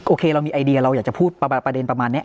โอเคเรามีไอเดียเราอยากจะพูดประเด็นประมาณนี้